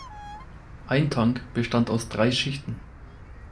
Ein Tank bestand aus drei Schichten.